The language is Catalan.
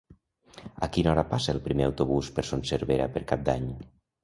A quina hora passa el primer autobús per Son Servera per Cap d'Any?